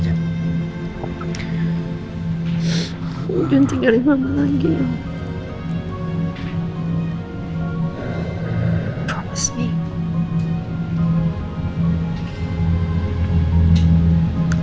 jangan segari mama lagi ya